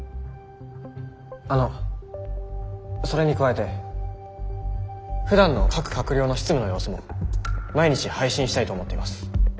あのそれに加えてふだんの各官僚の執務の様子も毎日配信したいと思っています。